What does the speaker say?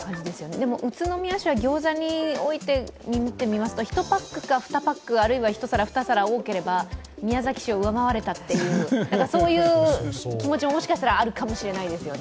でも宇都宮市はギョーザについて見ていきますと１パックか２パック、あるいは１皿、２皿多ければ宮崎市を上回れたという、そういう気持ちももしかしたらあるかもしれないですよね。